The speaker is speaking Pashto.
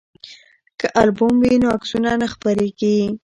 که البوم وي نو عکسونه نه خپریږي.